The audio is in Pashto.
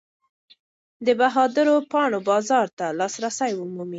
د بهادرو پاڼو بازار ته لاسرسی ومومئ.